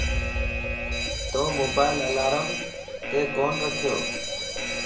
تو موبائل الارمت ڪون رکيو؟